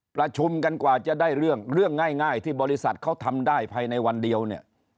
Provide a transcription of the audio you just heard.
ประชุมกันกว่าจะได้เรื่องเรื่องง่ายที่บริษัทเขาทำได้ภายในวันเดียวเนี่ย